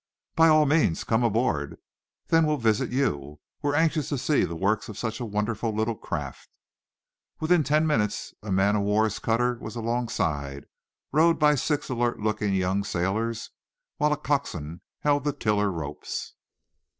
"By all means come aboard. Then we'll visit you. We're anxious to see the works of such a wonderful little craft." Within ten minutes a man o war's cutter was alongside, rowed by six alert looking young sailors, while a coxswain held the tiller ropes.